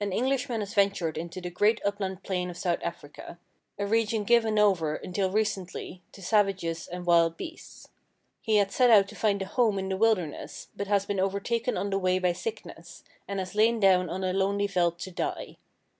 An Englishman has ventured into the great upland plain of South Africa, a region given over until recently to savages and wild beasts. He had set out to find a home in the wilder ness, but has been overtaken on the way by sickness, and has lain down on the lonely veldt to die.